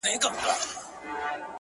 هغه نجلۍ په ما د ډيرو خلکو مخ خلاص کړئ!!